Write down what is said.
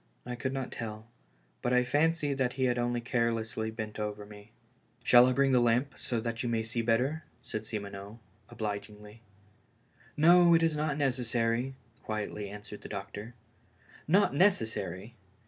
I could not tell ; but I fancied that he had only carelessly bent over me. "Shall I bring the lamp, so that you may see better?" said Simoneau, obligingly. "No, it is not necessary," quietly answered the doctor. Not necessary!